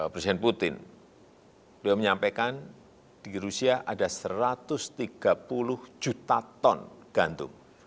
presiden putin beliau menyampaikan di rusia ada satu ratus tiga puluh juta ton gantung